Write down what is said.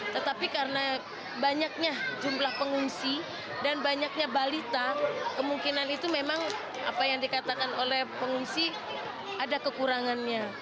tetapi karena banyaknya jumlah pengungsi dan banyaknya balita kemungkinan itu memang apa yang dikatakan oleh pengungsi ada kekurangannya